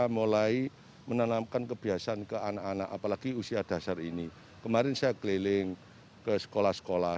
mulai menanamkan kebiasaan ke anak anak apalagi usia dasar ini kemarin saya keliling ke sekolah sekolah